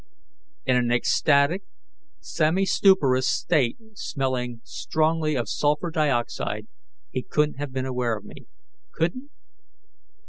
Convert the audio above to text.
In an ecstatic, semistuporous state, smelling strongly of sulfur dioxide, he couldn't have been aware of me. Couldn't?